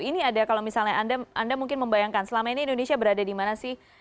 ini ada kalau misalnya anda mungkin membayangkan selama ini indonesia berada di mana sih